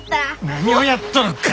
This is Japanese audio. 何をやっとるか！